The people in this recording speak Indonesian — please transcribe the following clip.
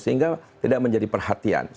sehingga tidak menjadi perhatian